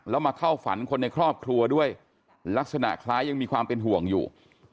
แล้วมาเข้าฝันคนในครอบครัวด้วยลักษณะคล้ายยังมีความเป็นห่วงอยู่